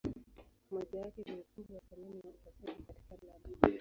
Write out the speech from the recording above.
Moja yake ni Ukumbi wa zamani wa upasuaji katika London.